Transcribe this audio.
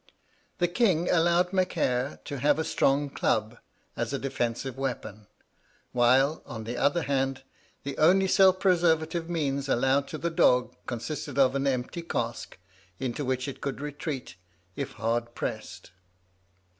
The king allowed Macaire to have a strong club, as a defensive weapon; while, on the other hand, the only self preservative means allowed to the dog consisted of an empty cask, into which it could retreat if hard pressed.